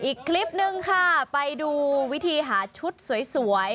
อีกคลิปนึงค่ะไปดูวิธีหาชุดสวย